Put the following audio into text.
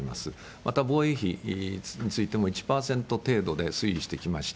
また、防衛費についても、１％程度で推移してきました。